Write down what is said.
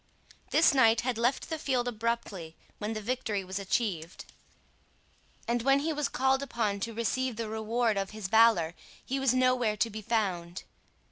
This knight had left the field abruptly when the victory was achieved; and when he was called upon to receive the reward of his valour, he was nowhere to be found.